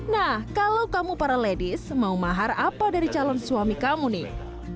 nah kalau kamu para ladies mau mahar apa dari calon suami kamu nih